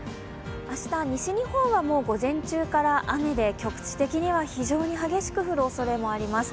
明日、西日本は午前中から雨で、局地的には非常に激しく降るおそれもあります。